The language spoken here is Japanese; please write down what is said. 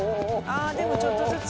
でもちょっとずつ。